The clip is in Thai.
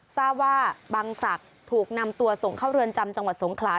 ทราบว่าบังศักดิ์ถูกนำตัวส่งเข้าเรือนจำจังหวัดสงขลา